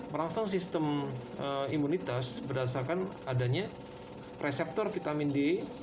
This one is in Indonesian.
merangsang sistem imunitas berdasarkan adanya reseptor vitamin d